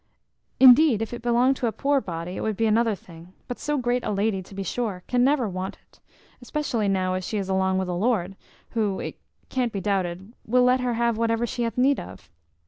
Indeed, if it belonged to a poor body, it would be another thing; but so great a lady, to be sure, can never want it, especially now as she is along with a lord, who, it can't be doubted, will let her have whatever she hath need of.